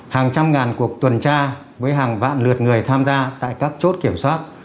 hàng trăm ngàn cuộc tuần tra với hàng vạn lượt người tham gia tại các chốt kiểm soát